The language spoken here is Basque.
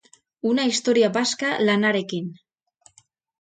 Una historia vasca lanarekin.